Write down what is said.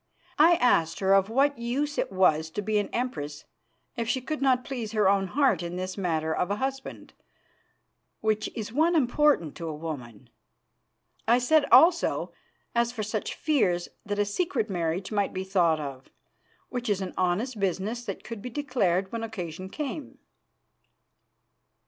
I asked her of what use it was to be an Empress if she could not please her own heart in this matter of a husband, which is one important to a woman. I said also, as for such fears, that a secret marriage might be thought of, which is an honest business that could be declared when occasion came."